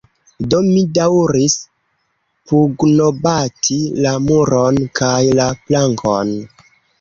Do, mi daŭris pugnobati la muron, kaj la plankon.